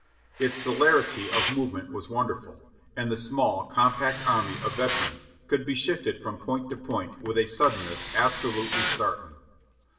Its celerity of movement was wonderful, and the small, compact army of veterans could be shifted from point to point with a suddenness absolutely startHng.